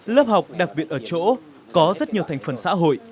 lớp học đặc biệt ở chỗ có rất nhiều thành phần xã hội